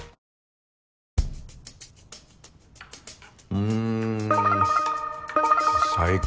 うん最高。